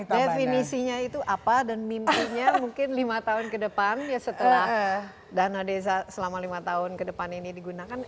definisinya itu apa dan mimpinya mungkin lima tahun kedepan ya setelah dana desa selama lima tahun kedepan ini digunakan